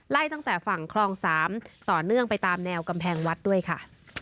ตั้งแต่ฝั่งคลอง๓ต่อเนื่องไปตามแนวกำแพงวัดด้วยค่ะ